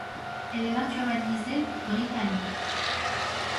Elle est naturalisée britannique.